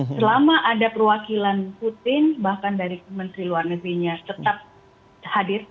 selama ada perwakilan putin bahkan dari menteri luar negerinya tetap hadir